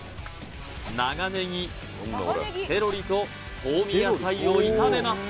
長ネギセロリと香味野菜を炒めます